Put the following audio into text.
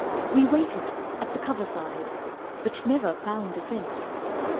We waited at the cover side, But never found a scent.